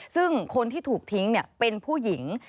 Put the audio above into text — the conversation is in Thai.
ซึ่งคนที่ถูกทิ้งเป็นผู้หญิง